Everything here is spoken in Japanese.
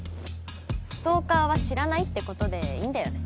ストーカーは知らないってことでいいんだよね？